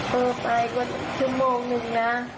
เธอตายก็ชั่วโมงหนึ่งนะ